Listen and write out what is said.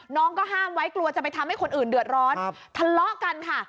น้องก็ห้ามไว้กลัวจะไปทำให้คนอื่นเดือดร้อนทะเลาะกันค่ะ